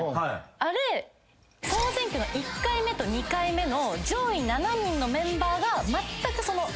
あれ総選挙の１回目と２回目の上位７人のメンバーがまったく変わらなかった。